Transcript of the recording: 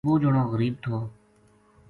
وہ جنو غریب تھو